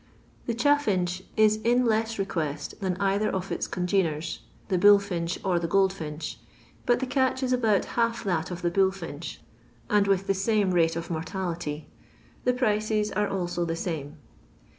The Chaffinch is in less request than either of its congeners, the bullfinch or the goldfinch, but the catch ia about half that of the bullfinch, and 60 LONDON LABOUR AND THE LONDON POOR. with the lame rate of mortality. The prices are also the same.